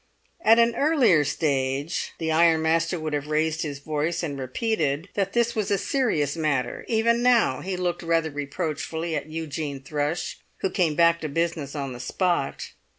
At an earlier stage the ironmaster would have raised his voice and repeated that this was a serious matter; even now he looked rather reproachfully at Eugene Thrush, who came back to business on the spot.